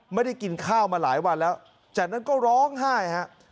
ไม่ได้กินข้าวมาหลายวันแล้วจากนั้นก็ร้องไห้ฮะ